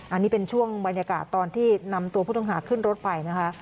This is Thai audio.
อันนี้เป็นช่วงบรรยากาศตอนที่นำตัวผู้ต้องหาขึ้นรถไปนะคะ